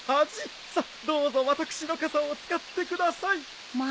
さっどうぞ私の傘を使ってください。